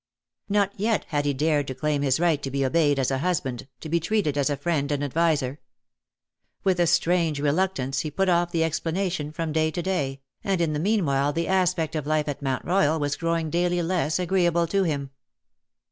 Not yet had he dared to claim his right to be obeyed as a husband, to be treated as a friend and adviser. With a strange reluctance he put off the CROWNED WITH SNAKES." 181 explanation from day to day, and in the meanwhile the aspect of life at Mount Royal was growing daily less agreeable to him.